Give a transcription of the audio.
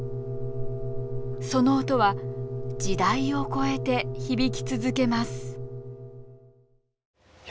その音は時代を超えて響き続けますいや